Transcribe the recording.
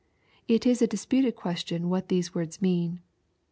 l It is a disputed question what these words mean.